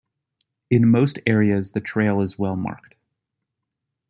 In most areas the trail is well marked.